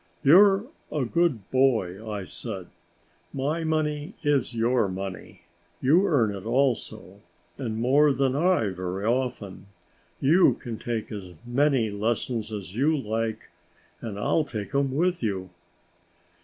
"You're a good boy," I said; "my money is your money; you earn it also, and more than I, very often. You can take as many lessons as you like, and I'll take them with you."